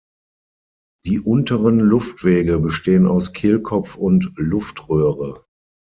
Die unteren Luftwege bestehen aus Kehlkopf und Luftröhre.